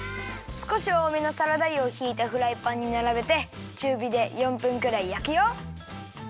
すこしおおめのサラダ油をひいたフライパンにならべてちゅうびで４分くらいやくよ。